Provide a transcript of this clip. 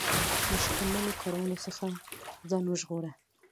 د شکمنو کارونو څخه ځان وژغوره.